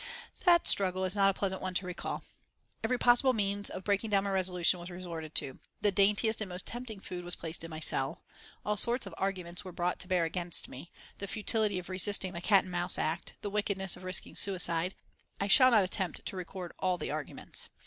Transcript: That struggle is not a pleasant one to recall. Every possible means of breaking down my resolution was resorted to. The daintiest and most tempting food was placed in my cell. All sorts of arguments were brought to bear against me the futility of resisting the Cat and Mouse Act, the wickedness of risking suicide I shall not attempt to record all the arguments.